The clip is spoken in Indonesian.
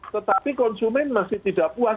tetapi konsumen masih tidak puas